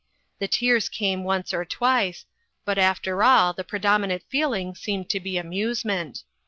The tears came once or twice ; but after all, the pre dominant feeling seemed to be amusement.